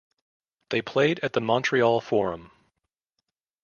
They played at the Montreal Forum.